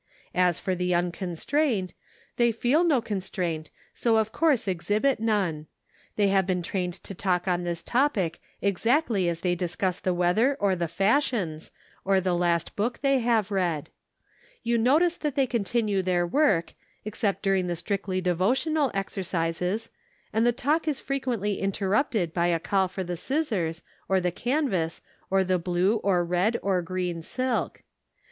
As for the unconstraint, they feel no constraint, so of course exhibit none ; they have been trained to talk on this topic exactly as they discuss the weather or the fashions, or the last book they have read. You notice that they continue their work, ex cept during the strictly devotional exercises, and the talk is frequently interrupted by a call for the scissors, or the canvas, or the blue, or red, or green silk.